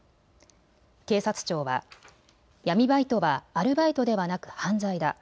警察庁は闇バイトはアルバイトではなく犯罪だ。